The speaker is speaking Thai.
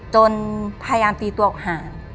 จนพยายามตีตัวออกห่าง